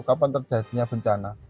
kapan terjadinya bencana